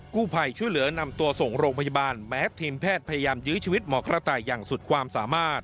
กู้ภัยช่วยเหลือนำตัวส่งโรงพยาบาลแม้ทีมแพทย์พยายามยื้อชีวิตหมอกระต่ายอย่างสุดความสามารถ